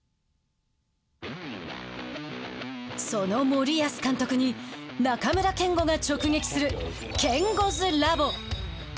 その森保監督に中村憲剛が直撃するケンゴズラボ。